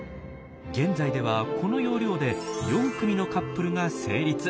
現在ではこの要領で４組のカップルが成立。